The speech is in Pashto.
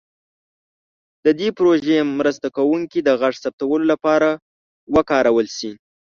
د دې پروژې مرسته کوونکي د غږ ثبتولو لپاره وکارول شي.